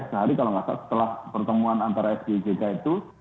sehari kalau nggak salah setelah pertemuan antara sby jk itu